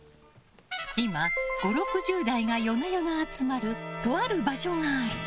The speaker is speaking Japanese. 今、５０６０代が夜な夜な集まるとある場所がある。